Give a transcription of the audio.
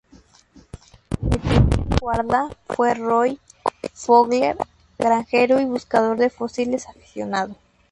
El primer guarda fue Roy Fowler, granjero y buscador de fósiles aficionado.